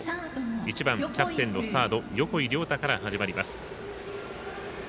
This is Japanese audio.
１番、キャプテンのサード横井亮太から始まります。